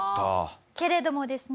けれどもですね